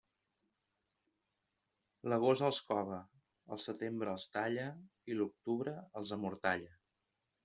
L'agost els cova, el setembre els talla i l'octubre els amortalla.